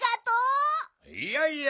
いやいや。